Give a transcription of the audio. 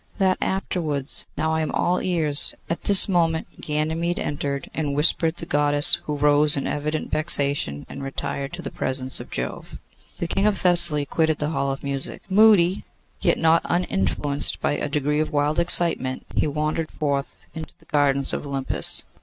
'That afterwards. Now! I am all ears.' At this moment Ganymede entered, and whispered the Goddess, who rose in evident vexation, and retired to the presence of Jove. The King of Thessaly quitted the Hall of Music. Moody, yet not uninfluenced by a degree of wild excitement, he wandered forth into the gardens of Olympus.